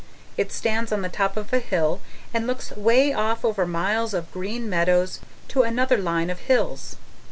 It stands on the top of a hill and looks way off over miles of green meadows to another line of hills.